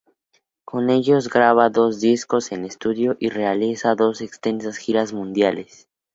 Con ellos graba dos discos en estudio y realiza dos extensas giras mundiales.